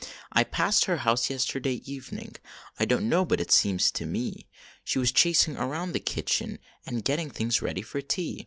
1 passed her house yesterday evening. I don t know, but it seems to me, She was chasing around in the kitchen, And getting things ready for tea.